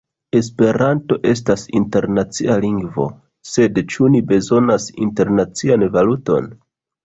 Esperanto estas internacia lingvo, sed ĉu ni bezonas internacian valuton?